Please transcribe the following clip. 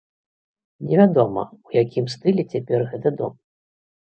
Невядома, у якім стылі цяпер гэты дом.